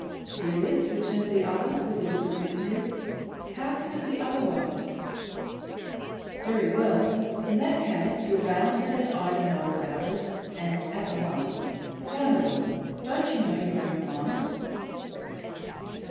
"Serious?" returned the other, with a look of misery. "How can it be otherwise?" "Very well; in that case you're bound to let Ida know about it, and at once. Damn it all, don't you know your own mind?"